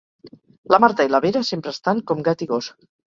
La Marta i la Vera sempre estan com gat i gos